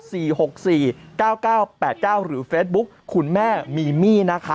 หกสี่เก้าเก้าแปดเก้าหรือเฟซบุ๊คคุณแม่มีมี่นะคะ